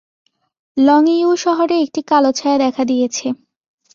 লংইয়ু শহরে একটি কালো ছায়া দেখা দিয়েছে।